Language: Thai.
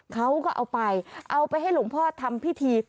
เขาก็เอาไปเอาไปให้หลวงพ่อทำพิธี